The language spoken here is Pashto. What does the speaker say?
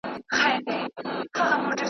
خدای دي نه کړي له سړي څخه لار ورکه .